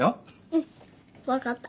うん分かった。